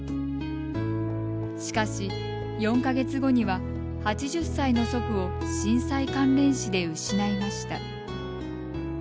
しかし、４か月後には８０歳の祖父を震災関連死で失いました。